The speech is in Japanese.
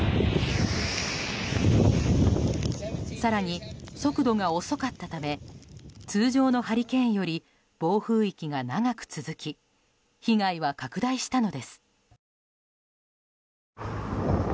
更に速度が遅かったため通常のハリケーンより暴風域が長く続き被害は拡大したのです。